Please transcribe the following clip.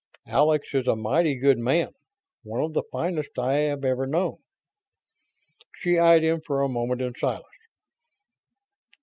"Alex is a mighty good man. One of the finest I have ever known." She eyed him for a moment in silence.